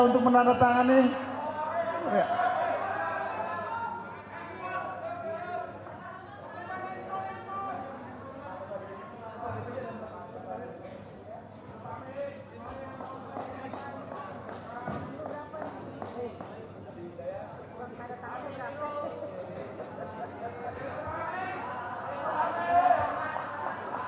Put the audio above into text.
untuk memperbaiki perhitungan dari pusat pengurusan kehidupan